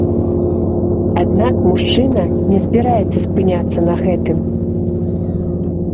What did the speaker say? Аднак мужчына не збіраецца спыняцца на гэтым.